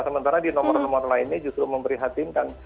sementara di nomor nomor lainnya justru memberi hati kan